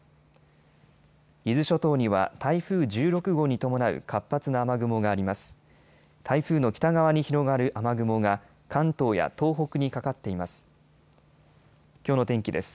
伊豆諸島には台風１６号に伴う活発な雨雲があります。